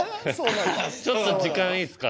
「ちょっと時間いいっすか？」